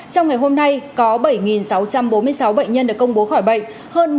trong ngày hôm nay có bảy sáu trăm bốn mươi sáu bệnh nhân được công bố khỏi bệnh